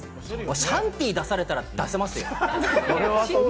シャンティ出されたら出せますよ。